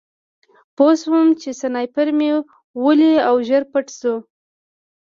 پوه شوم چې سنایپر مې ولي او ژر پټ شوم